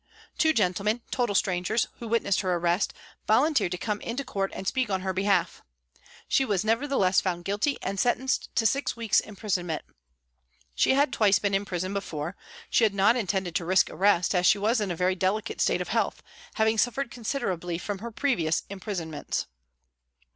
Two gentlemen, total strangers, who wit nessed her arrest, volunteered to come into court and speak on her behalf. She was nevertheless found guilty and sentenced to six weeks' imprison ment. She had twice been in prison before ; she had not intended to risk arrest as she was in a very delicate state of health, having suffered considerably from her previous imprisonments.